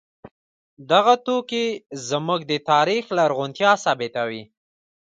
دغه توکي زموږ د تاریخ لرغونتیا ثابتوي.